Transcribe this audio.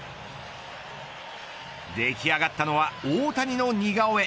出来上がったのは大谷の似顔絵。